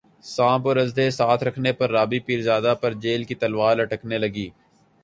سانپ اور اژدھے ساتھ رکھنے پر رابی پیرزادہ پر جیل کی تلوار لٹکنے لگی